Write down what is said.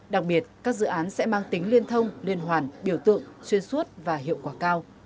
đặc biệt các dự án sẽ mang tính liên thông liên hoàn biểu tượng xuyên suốt và hiệu quả cao